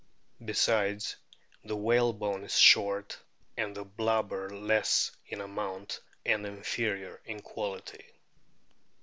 Besides, the whale bone is short and the blubber less in amount and inferior in quality.